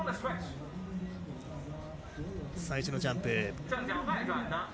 最初のジャンプ。